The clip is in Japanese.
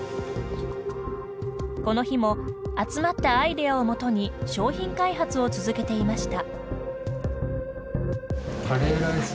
この日も集まったアイデアをもとに商品開発を続けていました。